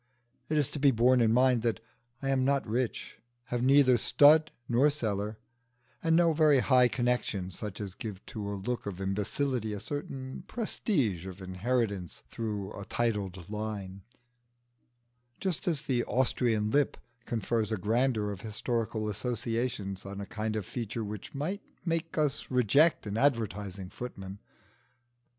It is to be borne in mind that I am not rich, have neither stud nor cellar, and no very high connections such as give to a look of imbecility a certain prestige of inheritance through a titled line; just as "the Austrian lip" confers a grandeur of historical associations on a kind of feature which might make us reject an advertising footman.